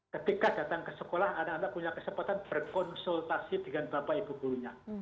ketika datang ke sekolah anak anak punya kesempatan berkonsultasi dengan bapak ibu gurunya